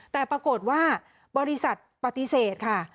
แต่ปรากฏว่าบริษัทปฏิเสธค่ะ